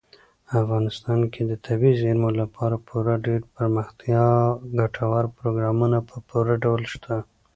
افغانستان کې د طبیعي زیرمې لپاره پوره دپرمختیا ګټور پروګرامونه په پوره ډول شته.